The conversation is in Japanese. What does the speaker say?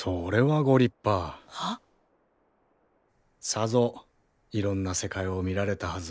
さぞいろんな世界を見られたはず。